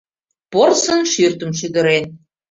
Порсын шӱртым шӱдырен.